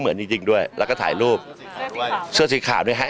เหมือนเองเลยใช่มะ